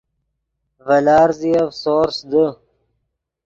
ڤے لارزیف سورس دے